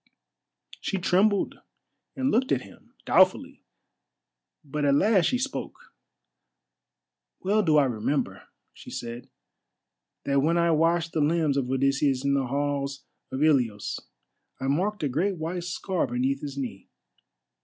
She trembled and looked at him doubtfully, but at last she spoke: "Well do I remember," she said, "that when I washed the limbs of Odysseus, in the halls of Ilios, I marked a great white scar beneath his knee.